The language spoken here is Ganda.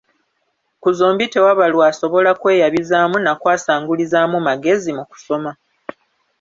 Ku zombi tewaba lw’asobola kweyabizaamu na kwasangulizaamu magezi mu kusoma.